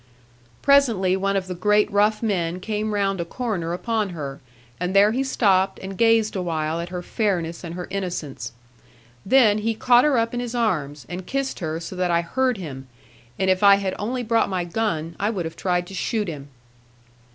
Presently one of the great rough men came round a corner upon her; and there he stopped and gazed awhile at her fairness and her innocence. Then he caught her up in his arms, and kissed her so that I heard him; and if I had only brought my gun, I would have tried to shoot him.